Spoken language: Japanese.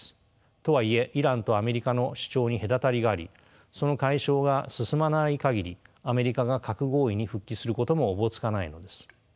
とはいえイランとアメリカの主張に隔たりがありその解消が進まない限りアメリカが核合意に復帰することもおぼつかないのです。